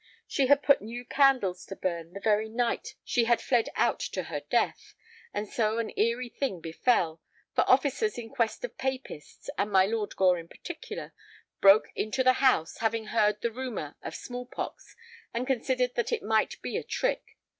She had put new candles to burn the very night she had fled out to her death, and so an eerie thing befell, for officers in quest of papists, and my Lord Gore in particular, broke into the house, having heard the rumor of small pox and considered that it might be a trick.